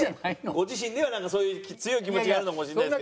ご自身ではそういう強い気持ちがあるのかもしれないですけど。